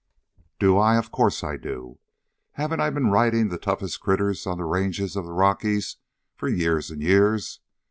"Do I? Of course I do. Haven't I been riding the toughest critters on the ranges of the Rockies for years and years?